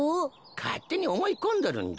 かってにおもいこんどるんじゃ。